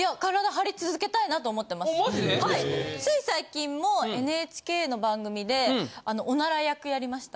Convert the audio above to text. はいつい最近もＮＨＫの番組であのオナラ役やりました。